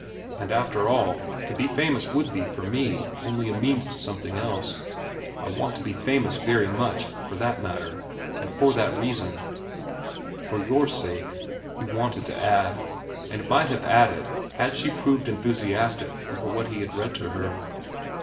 And after all, to be famous would be, for me, only a means to something else. I want to be famous very much, for that matter, and for that reason." "For your sake," he wanted to add, and might have added had she proved enthusiastic over what he had read to her.